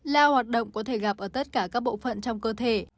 lao hoạt động có thể gặp ở tất cả các bộ phận trong cơ thể